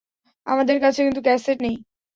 আমাদের কাছে কিন্তু ক্যাসেট নেই।